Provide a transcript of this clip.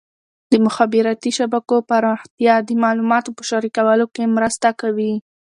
د مخابراتي شبکو پراختیا د معلوماتو په شریکولو کې مرسته کوي.